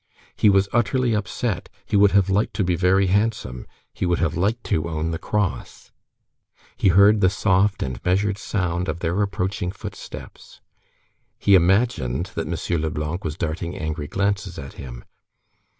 He was utterly upset, he would have liked to be very handsome, he would have liked to own the cross. He heard the soft and measured sound of their approaching footsteps. He imagined that M. Leblanc was darting angry glances at him.